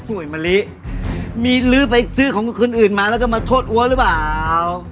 มะลิมีลื้อไปซื้อของคืนอื่นมาแล้วจะมาโทษอัวหรือเปล่า